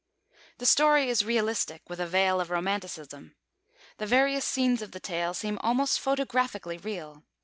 The story is realistic, with a veil of Romanticism. The various scenes of the tale seem almost photographically real.